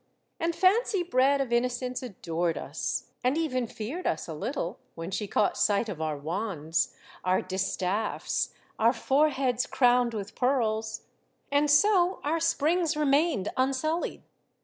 And fancy bred of innocence adored us, and even feared us a little, when she caught sight of our wands, our distaffs, our foreheads crowned with pearls. And so our springs remained unsullied.